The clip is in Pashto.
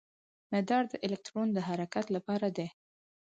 مدار د الکترون د حرکت لاره ده.